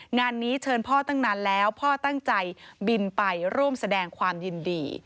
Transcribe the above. งานนี้เชิญพ่อตั้งนานแล้วพ่อตั้งใจบินไปร่วมแสดงความยินดี